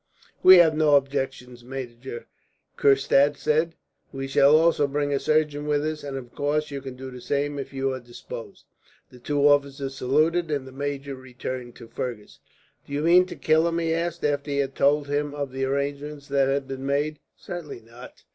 "We have no objection," Major Kurstad said. "We shall also bring a surgeon with us, and of course you can do the same, if you are disposed." The two officers saluted, and the major returned to Fergus. "Do you mean to kill him?" he asked, after he had told him of the arrangements that had been made. "Certainly not.